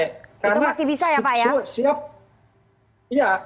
itu masih bisa ya pak ya